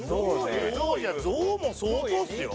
ゾウも相当っすよ？